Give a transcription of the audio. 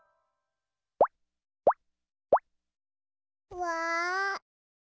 うわ。